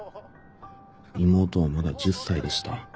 妹はまだ１０才でした。